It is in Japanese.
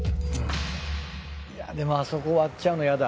いやでもあそこ割っちゃうのやだ。